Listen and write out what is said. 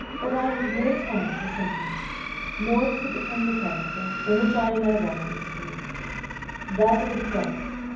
But I have no time for sentiment; nor does it become the character, in which I am now writing to you that of a DUN.